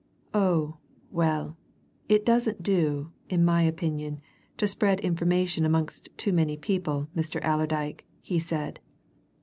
"Oh, well, it doesn't do in my opinion to spread information amongst too many people, Mr. Allerdyke," he said.